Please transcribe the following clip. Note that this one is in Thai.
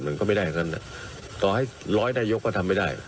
มันก็ไม่ได้อย่างนั้นต่อให้ร้อยนายกก็ทำไม่ได้